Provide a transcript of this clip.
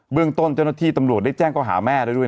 เรื่องต้นเจ้าหน้าที่ตำรวจได้แจ้งเขาหาแม่แล้วด้วย